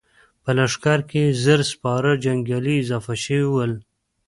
په لښکر کې يې زر سپاره جنګيالي اضافه شوي ول.